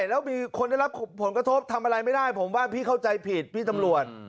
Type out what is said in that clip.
แล้วมีคนได้รับผลกระทบทำอะไรไม่ได้ผมว่าพี่เข้าใจผิดพี่ตำรวจ